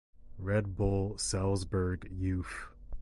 Red Bull Salzburg Youth